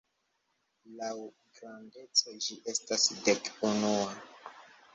Laŭ grandeco ĝi estas dek-unua.